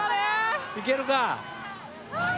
いけるか！